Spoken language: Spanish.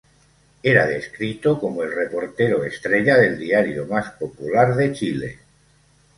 Era descrito como "el reportero estrella del diario más popular de Chile".